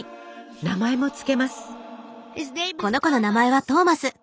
名前も付けます。